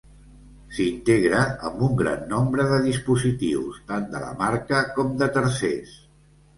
S'integra amb un gran nombre de dispositius, tant de la marca com de tercers.